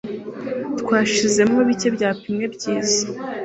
Twashizemo bike byapimwe byiza